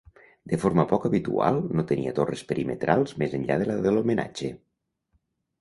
De forma poc habitual, no tenia torres perimetrals més enllà de la de l'homenatge.